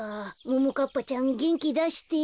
ももかっぱちゃんげんきだして。